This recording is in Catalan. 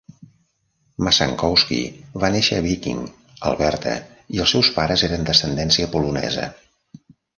Mazankowski va néixer a Viking, Alberta, i els seus pares eren d'ascendència polonesa.